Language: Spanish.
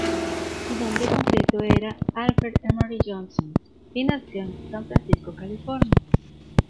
Su nombre completo era Alfred Emory Johnson, y nació en San Francisco, California.